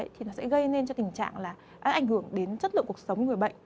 thì nó sẽ gây nên cho tình trạng là ảnh hưởng đến chất lượng cuộc sống người bệnh